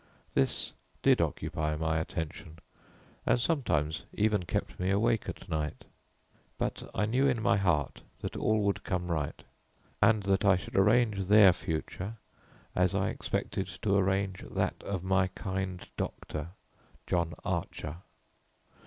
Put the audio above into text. This did occupy my attention, and sometimes even kept me awake at night. But I knew in my heart that all would come right, and that I should arrange their future as I expected to arrange that of my kind doctor, John Archer.